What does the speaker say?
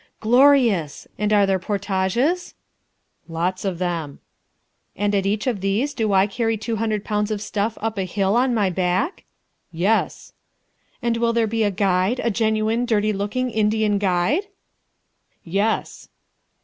"Glorious! and are there portages?" "Lots of them." "And at each of these do I carry two hundred pounds of stuff up a hill on my back?" "Yes." "And will there be a guide, a genuine, dirty looking Indian guide?" "Yes."